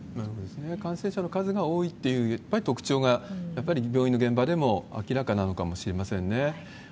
感染者の数が多いというやっぱり特徴がやっぱり病院の現場でも明らかなのかもしれませんね。